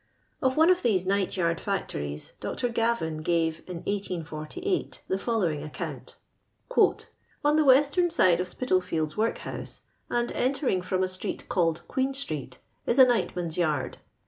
Of one of these night yard factories Dr.Gavin gave, in 1848, the following account :—On the western side of Spitalfields work house, and entering from a street called Queen street, is a nightman's yard.